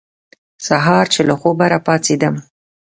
سهار چې له خوبه را پاڅېدم.